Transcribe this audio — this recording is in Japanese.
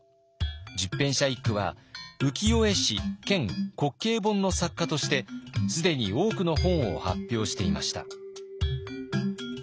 十返舎一九は浮世絵師兼滑稽本の作家として既に多くの本を発表していました。